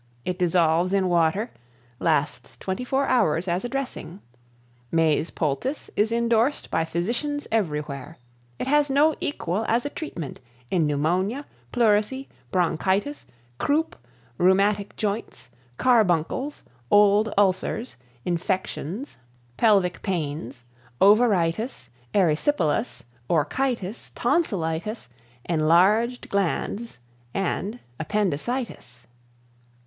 It dissolves in water; lasts 24 hours as a dressing. Meys Poultice is indorsed by physicians everywhere. It has no equal as a treatment in Pneumonia, Pleurisy, Bronchitis, Croup, Rheumatic Joints, Carbuncles, Old Ulcers, Infections, Pelvic Pains, Ovaritis, Erysipelas, Orchitis, Tonsillitis, Enlarged Glands and Appendicitis.